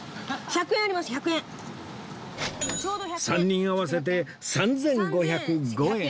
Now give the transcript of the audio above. ３人合わせて３５０５円